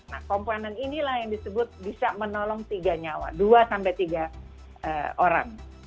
nah komponen inilah yang disebut bisa menolong tiga nyawa dua sampai tiga orang